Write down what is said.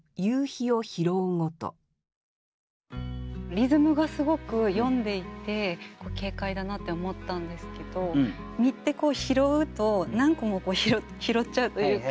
リズムがすごく読んでいて軽快だなって思ったんですけど実って拾うと何個も拾っちゃうというか。